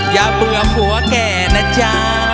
อย่าเบื่อผัวแก่นะจ๊ะ